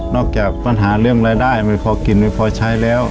จากปัญหาเรื่องรายได้ไม่พอกินไม่พอใช้แล้ว